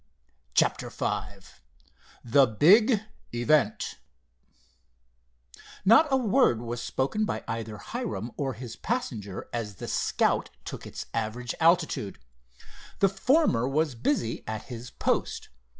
CHAPTER V THE BIG EVENT Not a word was spoken by either Hiram or his passenger as the Scout took its average altitude. The former was busy at his post.